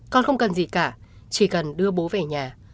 con không cần gì cả chỉ cần đưa bố về nhà